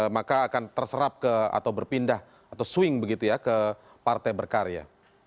maka akan terserap ke atau berpindah atau swing begitu ya ke partai berkarya